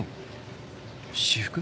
私服？